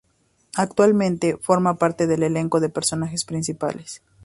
Actualmente forma parte del elenco de personajes principales.